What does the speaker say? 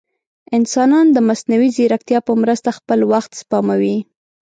انسانان د مصنوعي ځیرکتیا په مرسته خپل وخت سپموي.